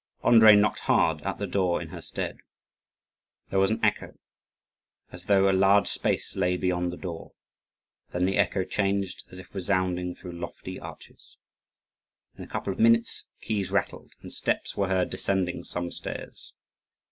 Andrii knocked hard at the door in her stead. There was an echo as though a large space lay beyond the door; then the echo changed as if resounding through lofty arches. In a couple of minutes, keys rattled, and steps were heard descending some stairs.